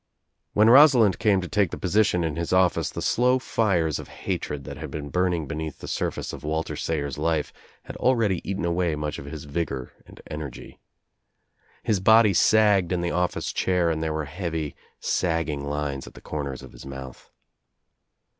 When Rosalind came to take the position in his office the slow fires of hatred that had been burning beneath the surface of Walter Sayers' life had already eaten away much of his vigor and energy. His body sagged in the office chair and there were heavy sag ging lines at the corners of his mouth.